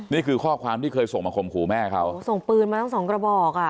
นี่คือข้อความที่เคยส่งมาข่มขู่แม่เขาส่งปืนมาทั้งสองกระบอกอ่ะ